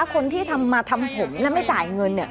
คนที่ทำมาทำผมแล้วไม่จ่ายเงินเนี่ย